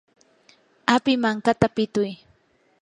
api mankata pituy.